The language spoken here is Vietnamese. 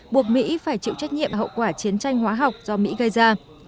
buộc mỹ phải chịu trách nhiệm hậu quả chiến tranh hóa học do mỹ gây ra